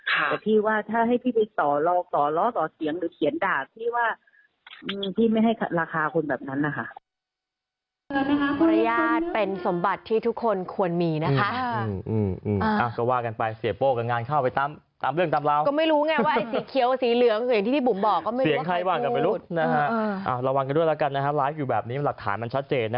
แต่พี่ว่าถ้าให้พี่ไปต่อล้อต่อเสียงหรือเขียนด่าพี่ว่าพี่ไม่ให้ราคาคนแบบนั้นนะคะ